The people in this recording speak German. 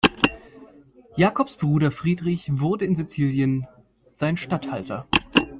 Jakobs Bruder Friedrich wurde in Sizilien sein Statthalter.